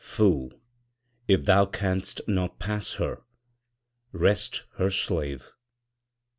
Fool, if thou canst not pass her, rest her slave!